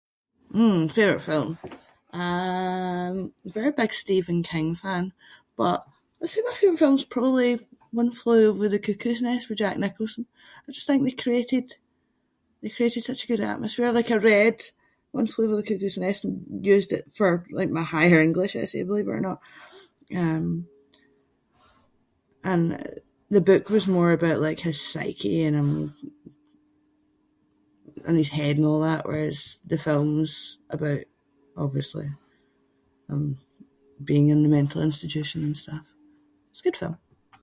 Hmm, favourite film. I’m a very big Stephen King fan, but I’d say my favourite film’s probably One Flew Over the Cuckoo’s Nest with Jack Nicholson. I just think they created- they created such a good atmosphere. Like I read One Flew Over the Cuckoo’s Nest and used it for like my Higher English essay, believe it or not. Um, and the book was more about like his psyche and um and his head and all that whereas the film’s about obviously, um being in the mental institution and stuff. It’s a good film.